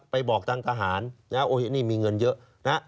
ไปบอกตังค์ทหารนี่มีเงินเยอะ